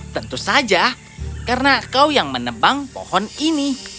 tentu saja karena kau yang menebang pohon ini